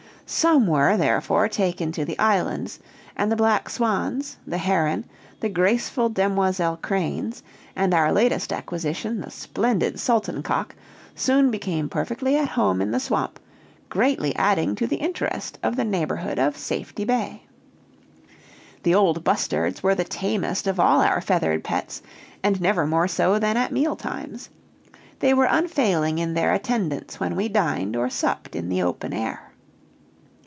Some were, therefore, taken to the islands; and the black swans, the heron, the graceful demoiselle cranes, and our latest acquisition, the splendid sultan cock, soon became perfectly at home in the swamp, greatly adding to the interest of the neighborhood of Safety Bay. The old bustards were the tamest of all our feathered pets, and never more so than at meal times. They were unfailing in their attendance when we dined or supped in the open air.